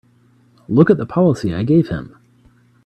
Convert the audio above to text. Look at the policy I gave him!